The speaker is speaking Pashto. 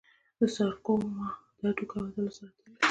د سارکوما د هډوکو او عضلو سرطان دی.